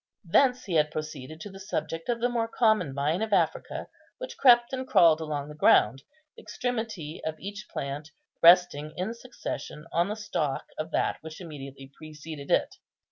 Thence he had proceeded to the subject of the more common vine of Africa, which crept and crawled along the ground, the extremity of each plant resting in succession on the stock of that which immediately preceded it.